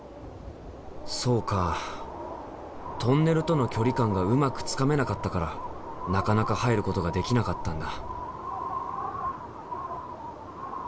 そうかトンネルとの距離感がうまくつかめなかったからなかなか入ることができなかったんだ。